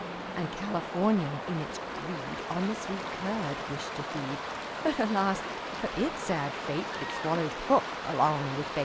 And Californian in its greed, On the sweet curd wished to feed; But, alas, for it's sad fate, It swallowed hook along with bait.